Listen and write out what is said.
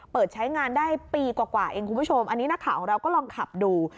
เปิดใช้งานได้ปีกว่าเองคุณผู้ชมอันนี้นักข่าวของเราก็ลองขับดู